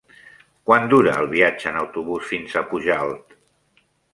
Quant dura el viatge en autobús fins a Pujalt?